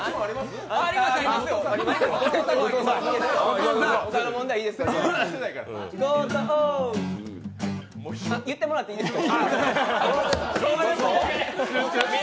後藤、言ってもらっていいですか？